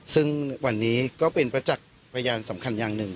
ซึ่งวันนี้ก็เป็นประจักษ์พยานสำคัญอย่างหนึ่ง